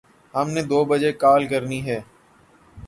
ہم نے دو بجے کال کرنی ہے